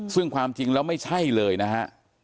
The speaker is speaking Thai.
ซึ่งความจริงแล้วไม่ใช่เลยนะฮะ